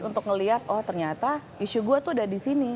untuk ngelihat oh ternyata isu gue tuh ada di sini